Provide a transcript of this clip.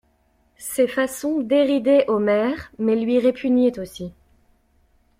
Ces façons déridaient Omer, mais lui répugnaient aussi.